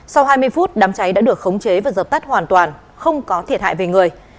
sau hai mươi phút đám cháy đã được khống chế và dập tắt hoàn toàn không có thiệt hại về người